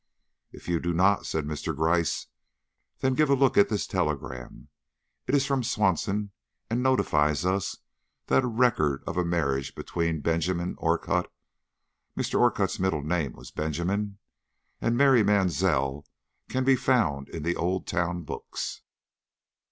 "If you do not," said Mr. Gryce, "then give a look at this telegram. It is from Swanson, and notifies us that a record of a marriage between Benjamin Orcutt Mr. Orcutt's middle name was Benjamin and Mary Mansell can be found in the old town books."